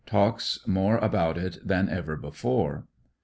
Talks more about it than ever before.